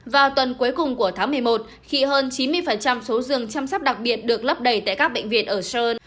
vào tuần cuối cùng của tháng một mươi một khi hơn chín mươi số rừng chăm sóc đặc biệt được lấp đầy tại các bệnh viện ở sơn